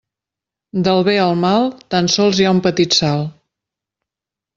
Del bé al mal tan sols hi ha un petit salt.